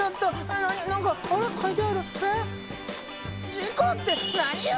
事故って何よ！？